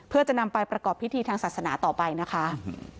เพื่อจะนำไปประกอบพิธีทางศาสนาต่อไปนะคะ